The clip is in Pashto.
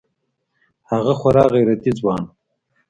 هغه خورا غيرتي ځوان و.